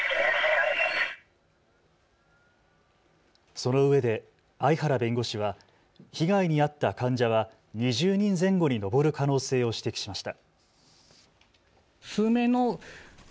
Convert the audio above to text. そのうえで相原弁護士は被害に遭った患者は２０人前後に上る可能性を指摘しました。